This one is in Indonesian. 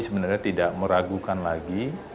sebenarnya tidak meragukan lagi